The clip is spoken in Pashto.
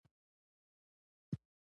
د چارمغز دانه د څه لپاره وکاروم؟